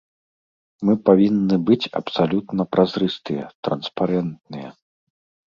Мы павінны быць абсалютна празрыстыя, транспарэнтныя.